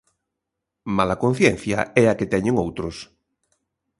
Mala conciencia é a que teñen outros.